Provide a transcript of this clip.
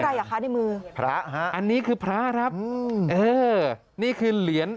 นี่อะไรอ่ะคะในมือพระอันนี้คือพระครับนี่คือเหรียญ